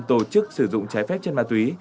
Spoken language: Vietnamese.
tổ chức sử dụng trái phép chân ma túy